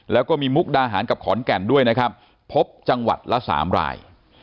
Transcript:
แล้วก็มีมุกดาหารกับขอนแก่นด้วยนะครับพบจังหวัดละ๓ราย